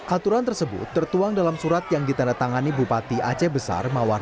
aturan tersebut tertuang dalam surat yang ditandatangani bupati aceh besar mawar